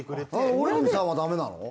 大泉さんはダメなの？